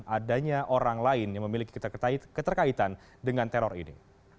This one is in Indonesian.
adanya orang lain yang memiliki keterkaitan dengan teror ini